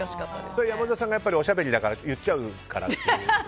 それは山添さんがやっぱりおしゃべりだから言っちゃうからという？